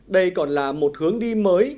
đây còn là một hướng đi mới